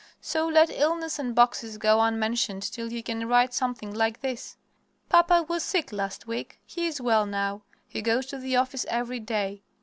So let illness and boxes go unmentioned till you can write something like this, "Papa was sick last week. He is well now. He goes to the office every day."